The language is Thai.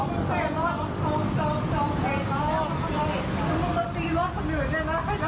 เชี่ยว๑๐๐๐กลัวเขาเข้ามาเป็นธรรมดา